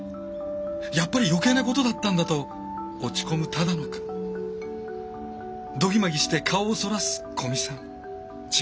「やっぱり余計なことだったんだ」と落ち込む只野くん。ドギマギして顔をそらす古見さん。